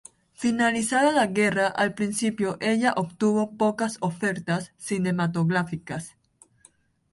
Finalizada la guerra, al principio ella obtuvo pocas ofertas cinematográficas.